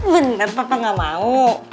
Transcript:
bener papa gak mau